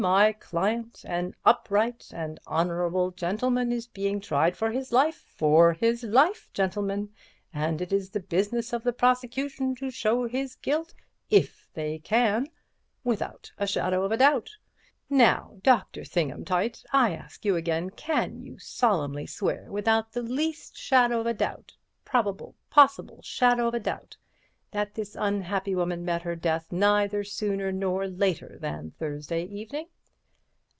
My client—an upright and honourable gentleman—is being tried for his life—for his life, gentlemen—and it is the business of the prosecution to show his guilt—if they can—without a shadow of doubt. Now, Dr. Thingumtight, I ask you again, can you solemnly swear, without the least shadow of doubt—probable, possible shadow of doubt—that this unhappy woman met her death neither sooner nor later than Thursday evening?